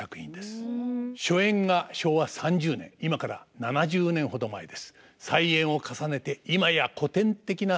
初演が昭和３０年今から７０年ほど前です。